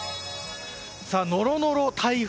ノロノロ台風。